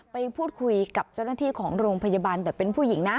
ไปพูดคุยกับเจ้าหน้าที่ของโรงพยาบาลแต่เป็นผู้หญิงนะ